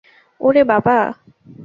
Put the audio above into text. ওরে বাবা!